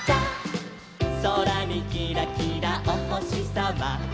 「そらにキラキラおほしさま」